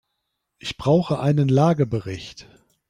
Ich brauche einen Lagebericht.